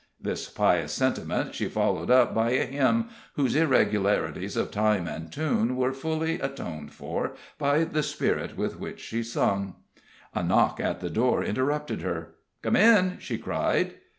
This pious sentiment she followed up by a hymn, whose irregularities of time and tune were fully atoned for by the spirit with which she sung. A knock at the door interrupted her. "Come in!" she cried.